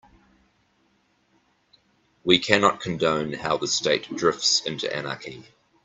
We cannot condone how the state drifts into anarchy.